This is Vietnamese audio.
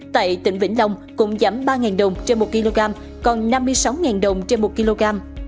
tại tỉnh vĩnh long cũng giảm ba đồng trên một kg còn năm mươi sáu đồng trên một kg